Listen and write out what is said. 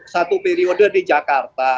satu periode di jakarta